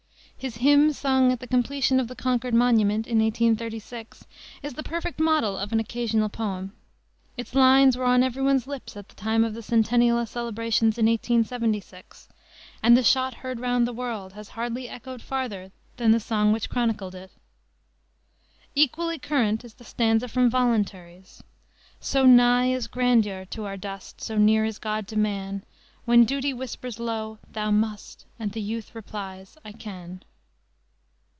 His Hymn Sung at the Completion of the Concord Monument, in 1836, is the perfect model of an occasional poem. Its lines were on every one's lips at the time of the centennial celebrations in 1876, and "the shot heard round the world" has hardly echoed farther than the song which chronicled it. Equally current is the stanza from Voluntaries: "So nigh is grandeur to our dust, So near is God to man, When Duty whispers low, 'Thou must,' The youth replies, 'I can.'"